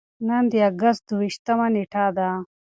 نن د اګست دوه ویشتمه نېټه ده.